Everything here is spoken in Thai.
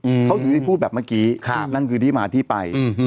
อืมเขาถึงได้พูดแบบเมื่อกี้ครับนั่นคือที่มาที่ไปอืม